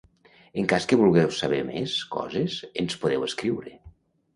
En cas que vulgueu saber més coses, ens podeu escriure.